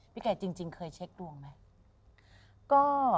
ไก่จริงเคยเช็คดวงไหม